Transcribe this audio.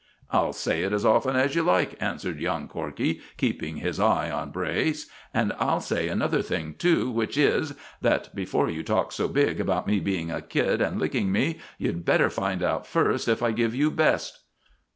"I'll say it as often as you like," answered young Corkey, keeping his eye on Bray's, "and I'll say another thing too, which is, that before you talk so big about me being a 'kid' and licking me, you'd better find out first if I give you 'best.